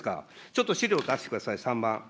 ちょっと資料出してください、３番。